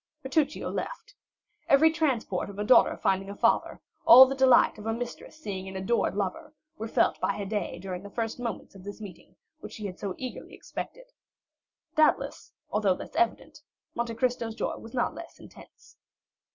Bertuccio left. Every transport of a daughter finding a father, all the delight of a mistress seeing an adored lover, were felt by Haydée during the first moments of this meeting, which she had so eagerly expected. Doubtless, although less evident, Monte Cristo's joy was not less intense.